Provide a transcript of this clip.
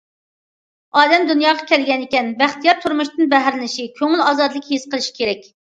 ئادەم دۇنياغا كەلگەنىكەن، بەختىيار تۇرمۇشتىن بەھرىلىنىشى، كۆڭۈل ئازادىلىكى ھېس قىلىشى كېرەك.